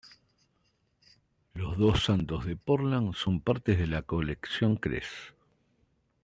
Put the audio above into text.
Los dos santos de Portland son parte de la colección Kress.